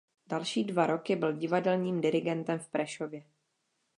Další dva roky byl divadelním dirigentem v Prešově.